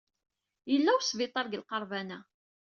Yella wesbiṭar deg lqerban-a.